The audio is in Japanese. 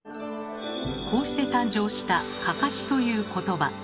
こうして誕生した「かかし」という言葉。